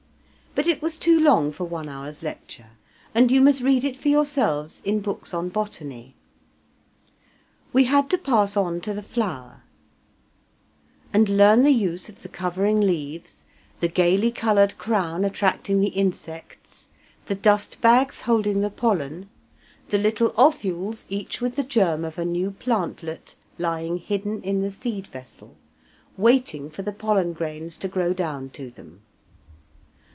But it was too long for one hour's lecture, and you must read it for yourselves in books on botany. We had to pass on to the flower, and learn the use of the covering leaves, the gaily coloured crown attracting the insects, the dust bags holding the pollen, the little ovules each with the germ of a new plantlet, lying hidden in the seed vessel, waiting for the pollen grains to grow down to them.